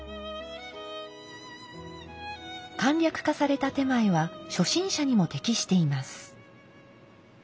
簡略化された点前は初心者にも適しています。